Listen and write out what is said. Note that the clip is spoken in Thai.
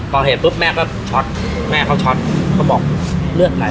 ก่อเหตุปุ๊บแม่ก็ช็อตแม่เขาช็อตเขาบอกเลือดไหล